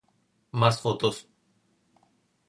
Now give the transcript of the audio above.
Más Fotos